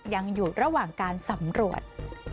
ยังอยู่ระหว่างการสำรวจ